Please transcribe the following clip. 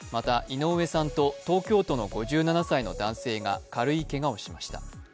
また井上さんと東京都の５７歳の男性が軽いけがをしました。